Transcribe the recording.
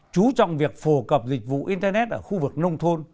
chú trọng việc phổ cập dịch vụ internet ở khu vực nông thôn